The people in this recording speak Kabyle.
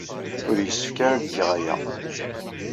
Ur yessefk ara ad geɣ aya.